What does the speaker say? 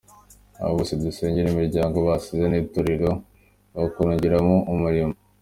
Abo bose dusengere imiryango basize n’Itorero bakoreragamo umurimo."